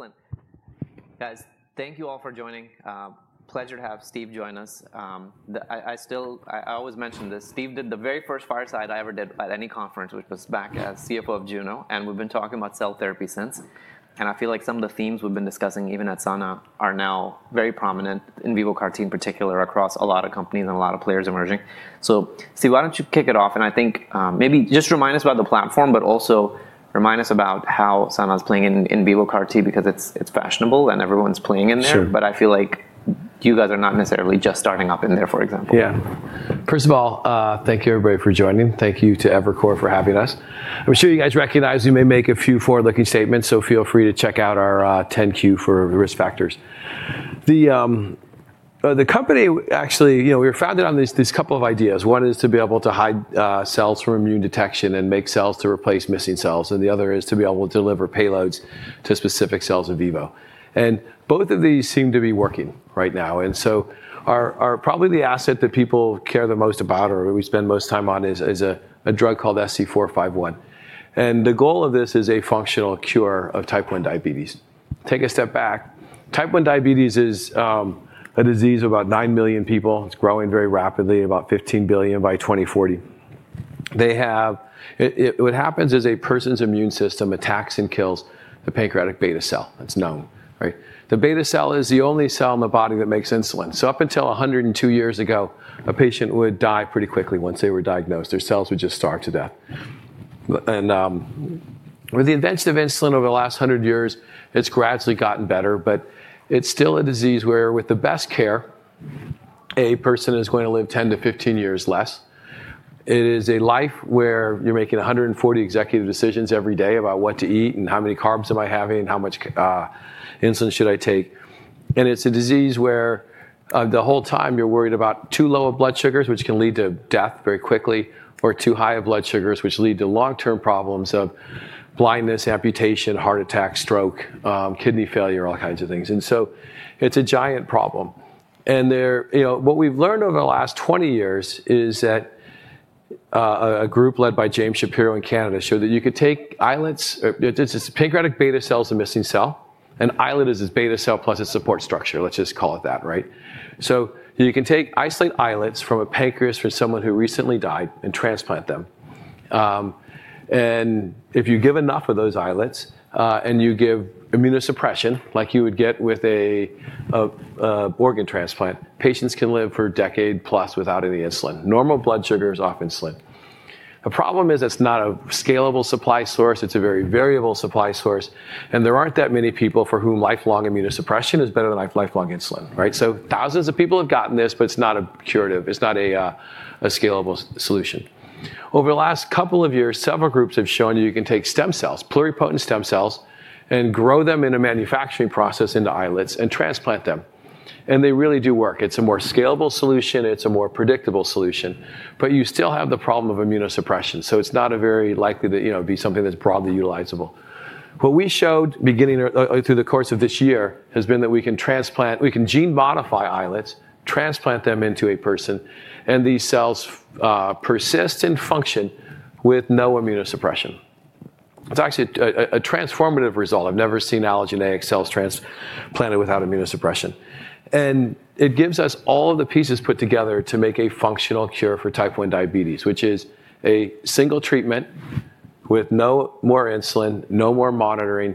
Excellent. Guys, thank you all for joining. Pleasure to have Steve join us. I always mention this. Steve did the very first fireside I ever did at any conference, which was back as CFO of Juno, and we've been talking about cell therapy since. And I feel like some of the themes we've been discussing, even at Sana, are now very prominent in vivo CAR T in particular, across a lot of companies and a lot of players emerging. So Steve, why don't you kick it off? And I think maybe just remind us about the platform, but also remind us about how Sana is playing in vivo CAR T because it's fashionable and everyone's playing in there. But I feel like you guys are not necessarily just starting up in there, for example. Yeah. First of all, thank you everybody for joining. Thank you to Evercore for having us. I'm sure you guys recognize we may make a few forward-looking statements, so feel free to check out our 10-Q for risk factors. The company actually was founded on these couple of ideas. One is to be able to hide cells from immune detection and make cells to replace missing cells, and the other is to be able to deliver payloads to specific cells in vivo, and both of these seem to be working right now, and so probably the asset that people care the most about, or we spend most time on, is a drug called SC451. And the goal of this is a functional cure of Type 1 diabetes. Take a step back. Type 1 diabetes is a disease of about nine million people. It's growing very rapidly, about 15 billion by 2040. What happens is a person's immune system attacks and kills the pancreatic beta cell. That's known. The beta cell is the only cell in the body that makes insulin. So up until 102 years ago, a patient would die pretty quickly once they were diagnosed. Their cells would just starve to death. And with the advancement of insulin over the last 100 years, it's gradually gotten better, but it's still a disease where, with the best care, a person is going to live 10-15 years less. It is a life where you're making 140 executive decisions every day about what to eat and how many carbs am I having and how much insulin should I take. It's a disease where the whole time you're worried about too low of blood sugars, which can lead to death very quickly, or too high of blood sugars, which lead to long-term problems of blindness, amputation, heart attack, stroke, kidney failure, all kinds of things. It's a giant problem. What we've learned over the last 20 years is that a group led by James Shapiro in Canada showed that you could take islets. Pancreatic beta cell is a missing cell, and islet is its beta cell plus its support structure. Let's just call it that. You can isolate islets from a pancreas from someone who recently died and transplant them. If you give enough of those islets and you give immunosuppression, like you would get with an organ transplant, patients can live for a decade plus without any insulin. Normal blood sugar is off insulin. The problem is it's not a scalable supply source. It's a very variable supply source, and there aren't that many people for whom lifelong immunosuppression is better than lifelong insulin, so thousands of people have gotten this, but it's not a curative. It's not a scalable solution. Over the last couple of years, several groups have shown you can take stem cells, pluripotent stem cells, and grow them in a manufacturing process into islets and transplant them, and they really do work. It's a more scalable solution. It's a more predictable solution, but you still have the problem of immunosuppression, so it's not very likely to be something that's broadly utilizable. What we showed through the course of this year has been that we can gene modify islets, transplant them into a person, and these cells persist in function with no immunosuppression. It's actually a transformative result. I've never seen allogeneic cells transplanted without immunosuppression, and it gives us all of the pieces put together to make a functional cure for type 1 diabetes, which is a single treatment with no more insulin, no more monitoring,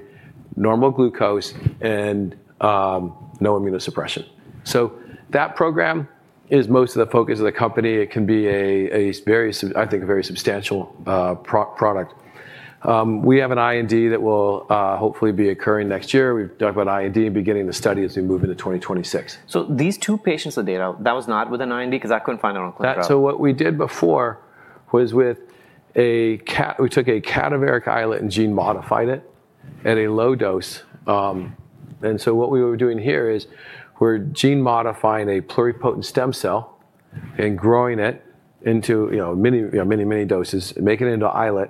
normal glucose, and no immunosuppression, so that program is most of the focus of the company. It can be, I think, a very substantial product. We have an IND that will hopefully be occurring next year. We've talked about IND and beginning the study as we move into 2026. So these two patients' data, that was not with an IND because I couldn't find it on ClinicalTrials.gov. So what we did before was we took a cadaveric islet and gene modified it at a low dose. And so what we were doing here is we're gene modifying a pluripotent stem cell and growing it into many, many doses, making it into islet,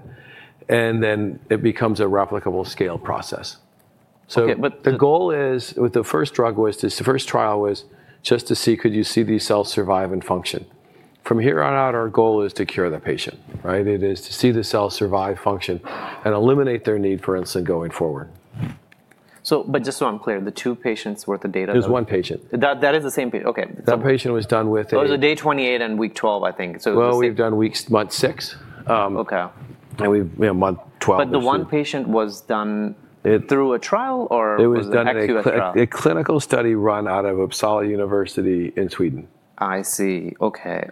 and then it becomes a replicable scale process. So the goal with the first drug was the first trial was just to see, could you see these cells survive and function? From here on out, our goal is to cure the patient. It is to see the cells survive, function, and eliminate their need for insulin going forward. But just so I'm clear, the two patients' worth of data? There's one patient. That is the same patient. That patient was done with a. That was day 28 and week 12, I think. We've done week month six. Okay. And we've month 12. But the one patient was done through a trial or back to a trial? It was done in a clinical study run out of Uppsala University in Sweden. I see. Okay.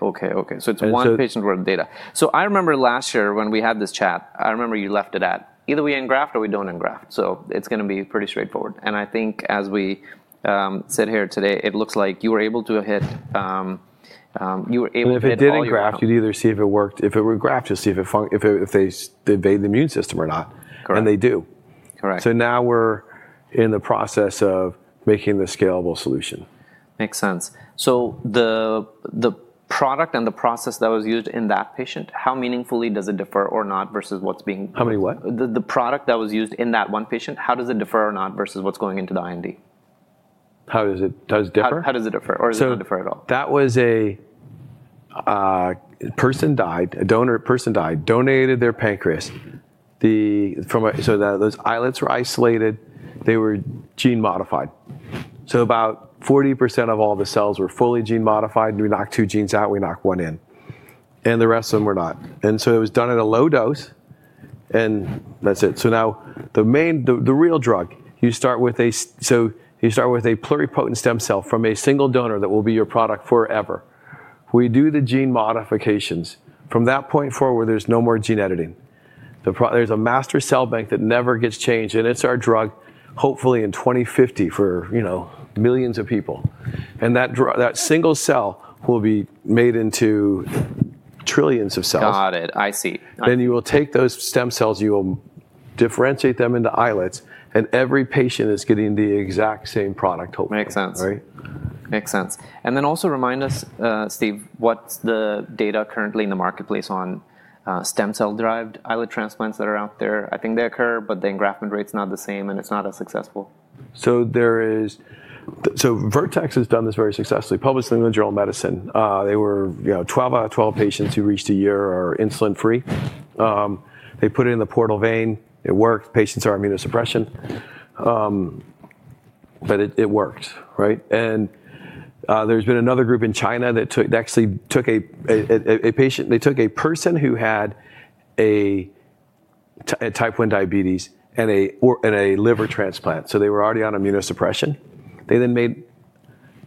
So it's one patient worth of data. So I remember last year when we had this chat, I remember you left it at either we engraft or we don't engraft. So it's going to be pretty straightforward. And I think as we sit here today, it looks like you were able to hit. If it did engraft, you'd either see if it worked. If it were engrafted, see if they evade the immune system or not. And they do. So now we're in the process of making the scalable solution. Makes sense. So the product and the process that was used in that patient, how meaningfully does it differ or not versus what's being? How many what? The product that was used in that one patient, how does it differ or not versus what's going into the IND? How does it differ? How does it differ or does it differ at all? That was a person died, a donor person died, donated their pancreas. So those islets were isolated. They were gene modified. So about 40% of all the cells were fully gene modified. We knocked two genes out. We knocked one in. And the rest of them were not. And so it was done at a low dose. And that's it. So now the real drug, you start with a pluripotent stem cell from a single donor that will be your product forever. We do the gene modifications. From that point forward, there's no more gene editing. There's a master cell bank that never gets changed. And it's our drug, hopefully in 2050 for millions of people. And that single cell will be made into trillions of cells. Got it. I see. And you will take those stem cells. You will differentiate them into islets. And every patient is getting the exact same product, hopefully. Makes sense. Makes sense. And then also remind us, Steve, what's the data currently in the marketplace on stem cell-derived islet transplants that are out there? I think they occur, but the engraftment rate's not the same, and it's not as successful. Vertex has done this very successfully, published in the Journal of Medicine. They were 12 out of 12 patients who reached a year are insulin-free. They put it in the portal vein. It worked. Patients are on immunosuppression. But it worked. There's been another group in China that actually took a patient. They took a person who had type 1 diabetes and a liver transplant. So they were already on immunosuppression. They then made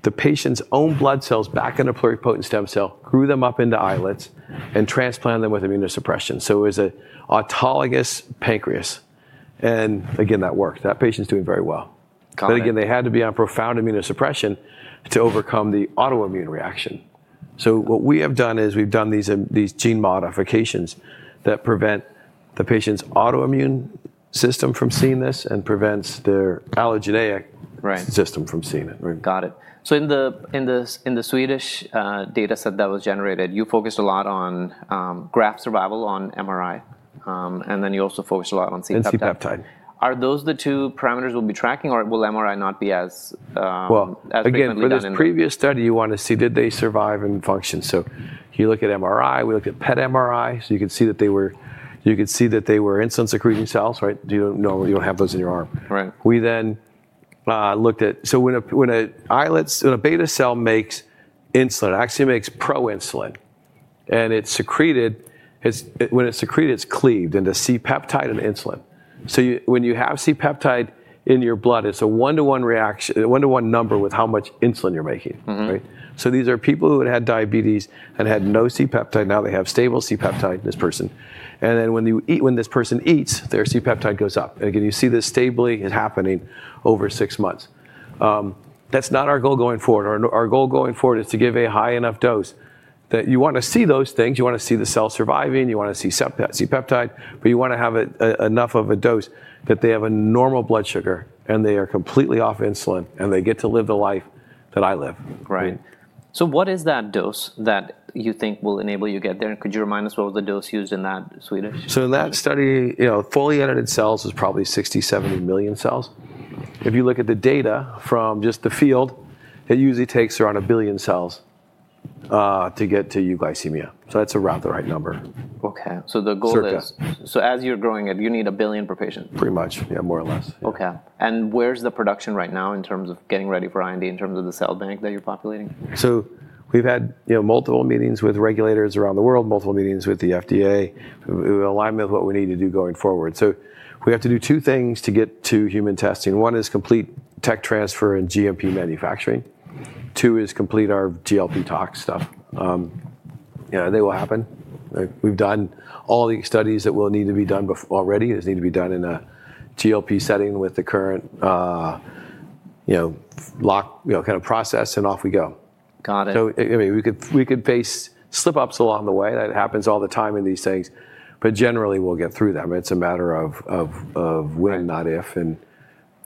the patient's own blood cells back into pluripotent stem cell, grew them up into islets, and transplanted them with immunosuppression. It was an autologous pancreas. Again, that worked. That patient's doing very well. But again, they had to be on profound immunosuppression to overcome the autoimmune reaction. So what we have done is we've done these gene modifications that prevent the patient's autoimmune system from seeing this and prevents their allogeneic system from seeing it. Got it. So in the Swedish data set that was generated, you focused a lot on graft survival on MRI. And then you also focused a lot on C-peptide. And C-peptide. Are those the two parameters we'll be tracking, or will MRI not be as? Again, in this previous study, you want to see, did they survive and function. So you look at MRI. We looked at PET MRI. So you could see that they were insulin-secreting cells. You don't have those in your arm. We then looked at, so when an islet, when a beta cell makes insulin, it actually makes proinsulin. And when it's secreted, it's cleaved into C-peptide and insulin. So when you have C-peptide in your blood, it's a one-to-one number with how much insulin you're making. So these are people who had diabetes and had no C-peptide. Now they have stable C-peptide in this person. And then when this person eats, their C-peptide goes up. And again, you see this stably happening over six months. That's not our goal going forward. Our goal going forward is to give a high enough dose that you want to see those things. You want to see the cell surviving. You want to see C-peptide. But you want to have enough of a dose that they have a normal blood sugar, and they are completely off insulin, and they get to live the life that I live. Right. So what is that dose that you think will enable you to get there? And could you remind us what was the dose used in that Swedish? So in that study, fully edited cells was probably 60-70 million cells. If you look at the data from just the field, it usually takes around a billion cells to get to euglycemia. So that's around the right number. Okay. So the goal is, so as you're growing it, you need a billion per patient. Pretty much. Yeah, more or less. Okay. And where's the production right now in terms of getting ready for IND, in terms of the cell bank that you're populating? So we've had multiple meetings with regulators around the world, multiple meetings with the FDA, in alignment with what we need to do going forward. So we have to do two things to get to human testing. One is complete tech transfer and GMP manufacturing. Two is complete our GLP tox studies. They will happen. We've done all the studies that will need to be done already. It needs to be done in a GLP setting with the current kind of process, and off we go. Got it. So we could face slip-ups along the way. That happens all the time in these things. But generally, we'll get through them. It's a matter of when, not if. And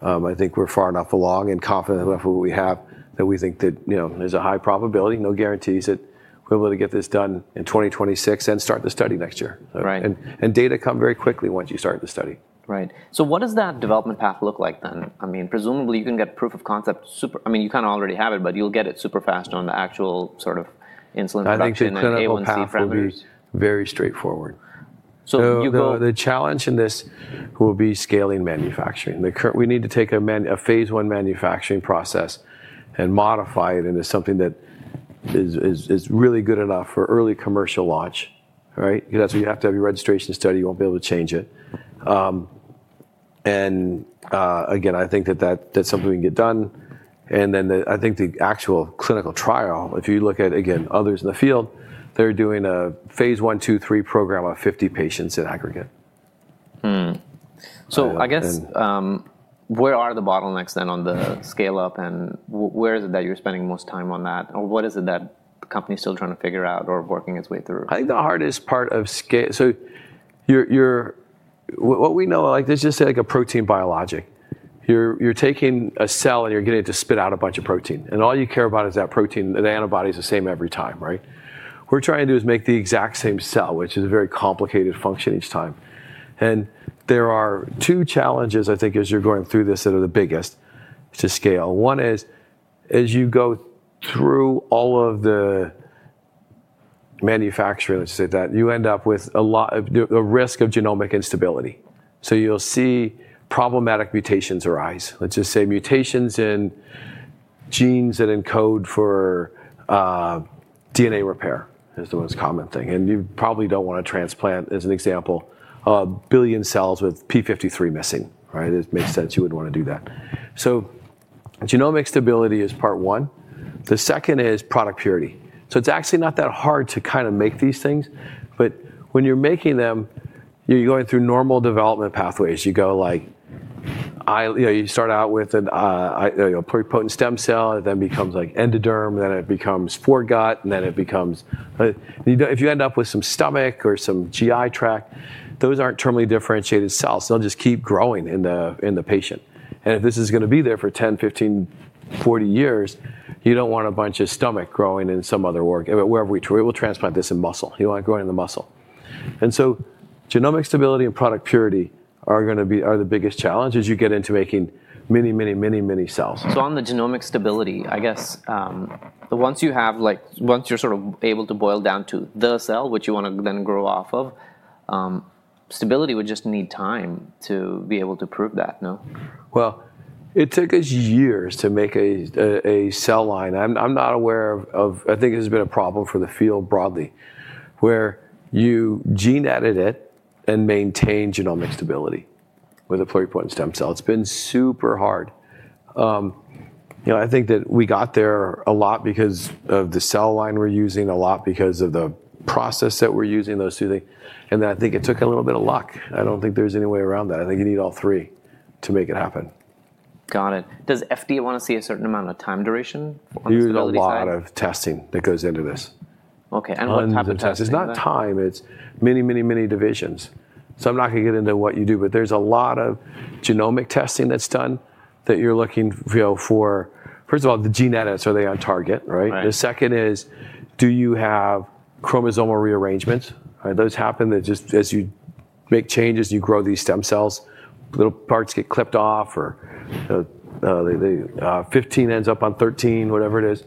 I think we're far enough along and confident enough of what we have that we think that there's a high probability, no guarantees, that we're able to get this done in 2026 and start the study next year. And data come very quickly once you start the study. Right. So what does that development path look like then? I mean, presumably, you can get proof of concept. I mean, you kind of already have it, but you'll get it super fast on the actual sort of insulin production and A1C framework. I think the clinical pathway is very straightforward. You go. The challenge in this will be scaling manufacturing. We need to take a phase I manufacturing process and modify it into something that is really good enough for early commercial launch. Because that's what you have to have your registration study. You won't be able to change it. And again, I think that that's something we can get done. And then I think the actual clinical trial, if you look at, again, others in the field, they're doing a phase I, II, III program of 50 patients in aggregate. So I guess, where are the bottlenecks then on the scale-up? And where is it that you're spending most time on that? Or what is it that the company's still trying to figure out or working its way through? I think the hardest part of scale. So what we know, let's just say like a protein biologic. You're taking a cell, and you're getting it to spit out a bunch of protein. And all you care about is that protein. The antibody's the same every time. What we're trying to do is make the exact same cell, which is a very complicated function each time. And there are two challenges, I think, as you're going through this that are the biggest to scale. One is, as you go through all of the manufacturing, let's just say that, you end up with a risk of genomic instability. So you'll see problematic mutations arise. Let's just say mutations in genes that encode for DNA repair is the most common thing. And you probably don't want to transplant, as an example, a billion cells with P53 missing. It makes sense. You wouldn't want to do that. So genomic stability is part one. The second is product purity. So it's actually not that hard to kind of make these things. But when you're making them, you're going through normal development pathways. You go like you start out with a pluripotent stem cell, then it becomes like endoderm, then it becomes foregut, and then it becomes if you end up with some stomach or some GI tract, those aren't terminally differentiated cells. They'll just keep growing in the patient. And if this is going to be there for 10, 15, 40 years, you don't want a bunch of stomach growing in some other organ. It will transplant this in muscle. You don't want it growing in the muscle. And so genomic stability and product purity are the biggest challenges you get into making many, many, many, many cells. On the genomic stability, I guess, once you're sort of able to boil down to the cell, which you want to then grow off of, stability would just need time to be able to prove that, no? It took us years to make a cell line. I'm not aware of, I think, this has been a problem for the field broadly, where you gene-edit it and maintain genomic stability with a pluripotent stem cell. It's been super hard. I think that we got there a lot because of the cell line we're using, a lot because of the process that we're using, those two things. And then I think it took a little bit of luck. I don't think there's any way around that. I think you need all three to make it happen. Got it. Does FDA want to see a certain amount of time duration on stability side? There's a lot of testing that goes into this. Okay, and what type of testing? It's not time. It's many, many, many divisions, so I'm not going to get into what you do. But there's a lot of genomic testing that's done that you're looking for. First of all, the gene edits. Are they on target? The second is, do you have chromosomal rearrangements? Those happen as you make changes. You grow these stem cells. Little parts get clipped off, or 15 ends up on 13, whatever it is.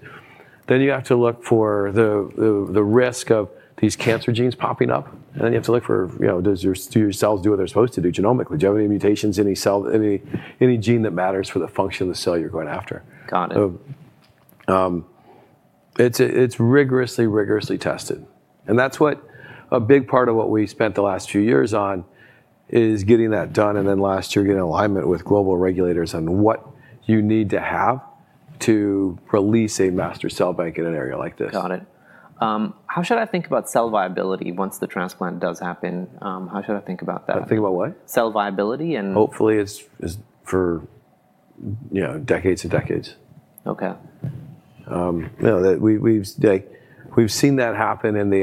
Then you have to look for the risk of these cancer genes popping up, and then you have to look for do your cells do what they're supposed to do genomically? Do you have any mutations, any gene that matters for the function of the cell you're going after? Got it. It's rigorously, rigorously tested. And that's what a big part of what we spent the last few years on is getting that done. And then last year, getting alignment with global regulators on what you need to have to release a master cell bank in an area like this. Got it. How should I think about cell viability once the transplant does happen? How should I think about that? Think about what? Cell viability and. Hopefully, it's for decades and decades. Okay. We've seen that happen in the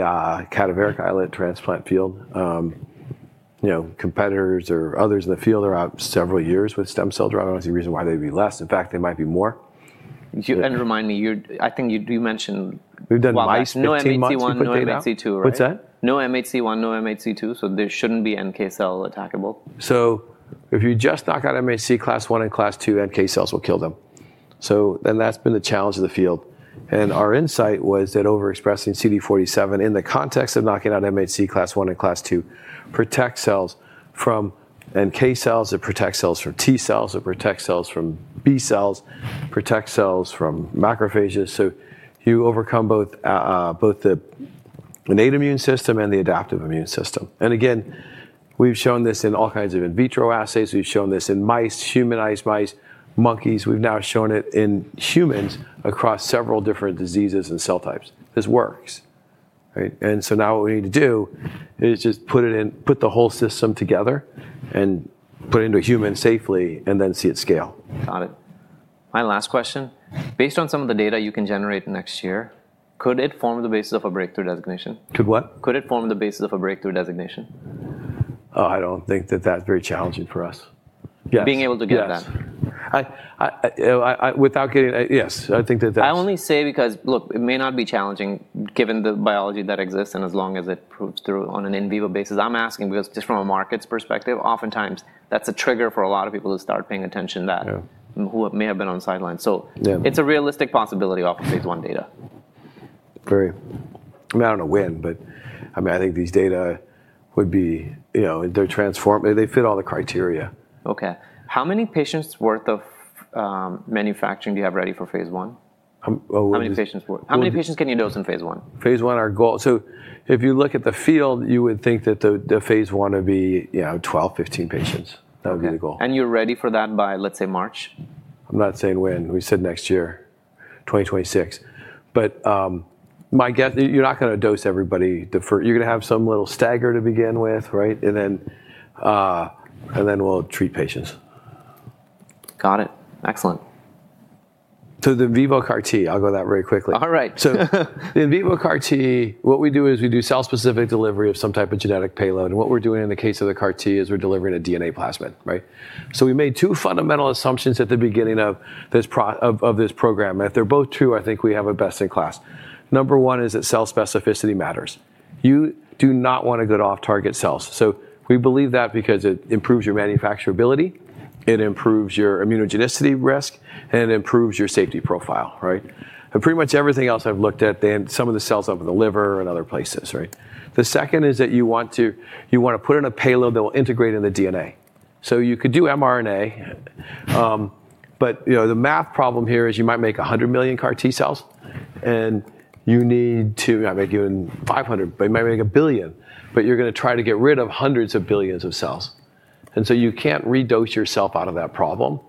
cadaveric islet transplant field. Competitors or others in the field are out several years with stem cell drugs. I don't see a reason why they'd be less. In fact, they might be more. And remind me, I think you mentioned. We've done mice with T1 no MHC I, no MHCII, right? What's that? No MHC I, no MHC II. So there shouldn't be NK cell attackable. So if you just knock out MHC class I and class II, NK cells will kill them. So then that's been the challenge of the field. And our insight was that overexpressing CD47 in the context of knocking out MHC class I and class II protects cells from NK cells. It protects cells from T cells. It protects cells from B cells. It protects cells from macrophages. So you overcome both the innate immune system and the adaptive immune system. And again, we've shown this in all kinds of in vitro assays. We've shown this in mice, humanized mice, monkeys. We've now shown it in humans across several different diseases and cell types. This works. And so now what we need to do is just put it in, put the whole system together, and put it into a human safely, and then see it scale. Got it. My last question. Based on some of the data you can generate next year, could it form the basis of a breakthrough designation? Could what? Could it form the basis of a breakthrough designation? Oh, I don't think that that's very challenging for us. Yes. Being able to get that. Yes. I think that's. I only say because, look, it may not be challenging given the biology that exists. And as long as it proves through on an in vivo basis, I'm asking because just from a markets perspective, oftentimes, that's a trigger for a lot of people to start paying attention to that, who may have been on the sidelines. So it's a realistic possibility off of phase I data. Agree. I mean, I don't know when. But I mean, I think these data would be. They fit all the criteria. Okay. How many patients' worth of manufacturing do you have ready for phase I? How many patients can you dose in phase I? Phase I, our goal, so if you look at the field, you would think that the phase I would be 12-15 patients. That would be the goal. You're ready for that by, let's say, March? I'm not saying when. We said next year, 2026, but my guess, you're not going to dose everybody. You're going to have some little stagger to begin with, and then we'll treat patients. Got it. Excellent. So the in vivo CAR-T, I'll go that very quickly. All right. So the in vivo CAR-T, what we do is we do cell-specific delivery of some type of genetic payload. And what we're doing in the case of the CAR-T is we're delivering a DNA plasmid. So we made two fundamental assumptions at the beginning of this program. And if they're both true, I think we have a best-in-class. Number one is that cell specificity matters. You do not want to go to off-target cells. So we believe that because it improves your manufacturability. It improves your immunogenicity risk. And it improves your safety profile. And pretty much everything else I've looked at, some of the cells end up in the liver and other places. The second is that you want to put in a payload that will integrate in the DNA. So you could do mRNA. But the math problem here is you might make 100 million CAR-T cells. You need to not make even 500, but you might make a billion. You're going to try to get rid of hundreds of billions of cells. So you can't redose yourself out of that problem.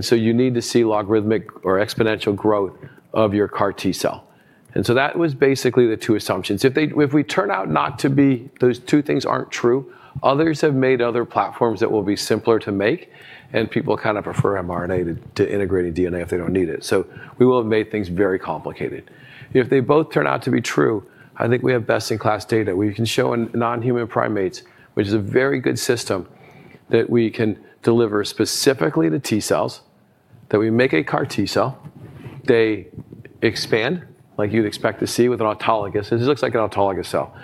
So you need to see logarithmic or exponential growth of your CAR-T cell. So that was basically the two assumptions. If we turn out not to be those two things aren't true, others have made other platforms that will be simpler to make. People kind of prefer mRNA to integrating DNA if they don't need it. We will have made things very complicated. If they both turn out to be true, I think we have best-in-class data. We can show in non-human primates, which is a very good system, that we can deliver specifically to T cells, that we make a CAR-T cell. They expand, like you'd expect to see with an autologous. It looks like an autologous cell.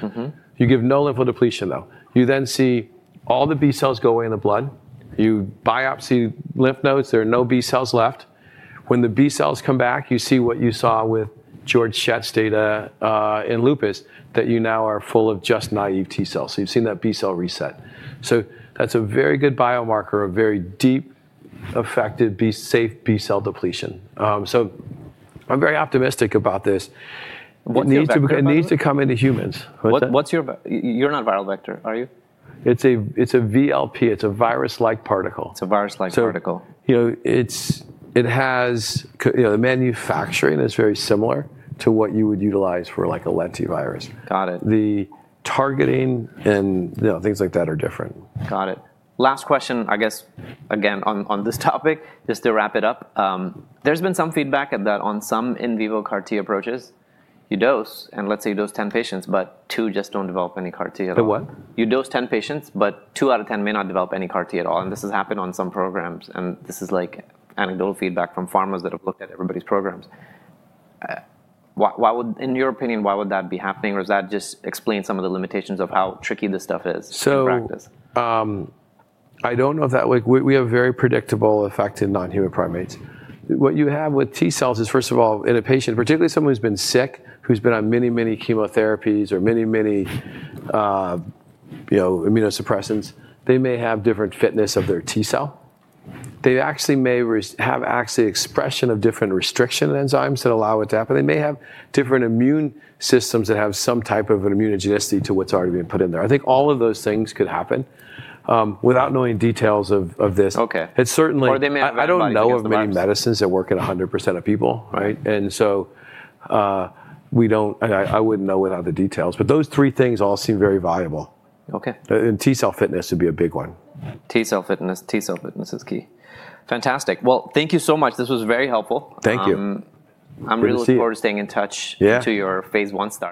You give no lymphodepletion, though. You then see all the B cells go away in the blood. You biopsy lymph nodes. There are no B cells left. When the B cells come back, you see what you saw with Georg Schett's data in lupus, that you now are full of just naive T cells. So you've seen that B cell reset. So that's a very good biomarker, a very deep, effective, safe B cell depletion. So I'm very optimistic about this. It needs to come into humans. You're not a viral vector, are you? It's a VLP. It's a virus-like particle. It's a virus-like particle. So it has the manufacturing is very similar to what you would utilize for like a lentivirus. Got it. The targeting and things like that are different. Got it. Last question, I guess, again, on this topic, just to wrap it up. There's been some feedback that on some in vivo CAR-T approaches, you dose. And let's say you dose 10 patients, but two just don't develop any CAR-T at all. The what? You dose 10 patients, but two out of 10 may not develop any CAR-T at all. And this has happened on some programs. And this is like anecdotal feedback from pharmas that have looked at everybody's programs. In your opinion, why would that be happening? Or does that just explain some of the limitations of how tricky this stuff is in practice? So I don't know if that we have a very predictable effect in non-human primates. What you have with T cells is, first of all, in a patient, particularly someone who's been sick, who's been on many, many chemotherapies or many, many immunosuppressants, they may have different fitness of their T cell. They actually may have expression of different restriction enzymes that allow it to happen. They may have different immune systems that have some type of immunogenicity to what's already been put in there. I think all of those things could happen. Without knowing details of this, it's certainly. Or they may have other benefits. I don't know of many medicines that work at 100% of people, and so I wouldn't know without the details. But those three things all seem very viable, and T-cell fitness would be a big one. T cell fitness. T cell fitness is key. Fantastic. Well, thank you so much. This was very helpful. Thank you. I'm really looking forward to staying in touch to your phase I stuff.